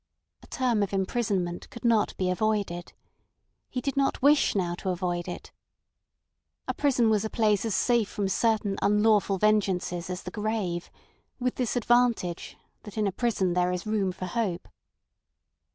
A term of imprisonment could not be avoided. He did not wish now to avoid it. A prison was a place as safe from certain unlawful vengeances as the grave, with this advantage, that in a prison there is room for hope.